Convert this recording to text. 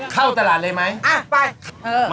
เข้าตลาดเลยไหม